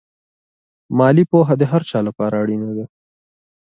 مالي پوهه د هر چا لپاره اړینه ده.